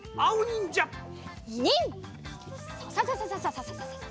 ササササササササ。